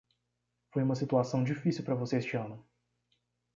Foi uma situação difícil para você este ano.